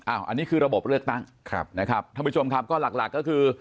อันนี้คือระบบเลือกตั้งถ้าผู้ชมครับก็หลักก็คือ